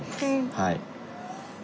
はい。